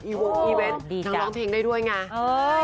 วงอีเวนต์นางร้องเพลงได้ด้วยไง